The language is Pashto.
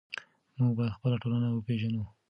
موږ باید خپله ټولنه وپېژنو.